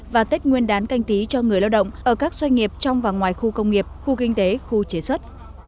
và tết nguyên đán canh tí cho người lao động ở các doanh nghiệp trong và ngoài khu công nghiệp khu kinh tế khu chế xuất